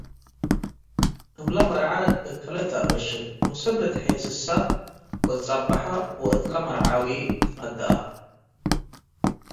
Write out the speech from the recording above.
እምለ መርዓት እከለት ተአበሽል ወሰኒ ትሔስሰ ወትጸበሐ ወእትለ መርዓዊ ትነድአ ።